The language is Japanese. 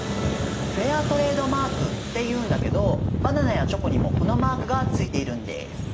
フェアトレードマークっていうんだけどバナナやチョコにもこのマークがついているんです。